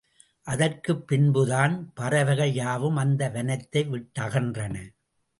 அதற்குப் பின்புதான் பறவைகள் யாவும் அந்த வனத்தை விட்டகன்றன.